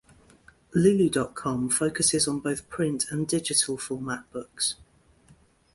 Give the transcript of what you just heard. Lulu dot com focuses on both print and digital format books.